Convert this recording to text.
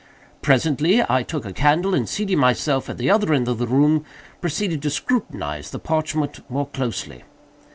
Presently I took a candle, and seating myself at the other end of the room, proceeded to scrutinize the parchment more closely.